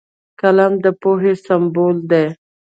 قلم د پوهې سمبول دی